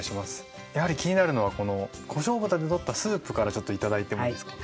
やはり気になるのはこのこしょう豚でとったスープからちょっと頂いてもいいですか。